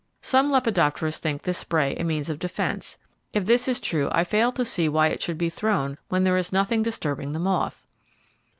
Some lepidopterists think this spray a means of defence; if this is true I fail to see why it should be thrown when there is nothing disturbing the moth.